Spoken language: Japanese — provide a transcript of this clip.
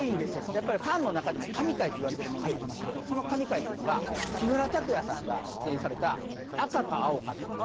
やっぱりファンの中でも神回と言われてるものがありましてその神回というのが木村拓哉さんが出演された「赤か、青か」という。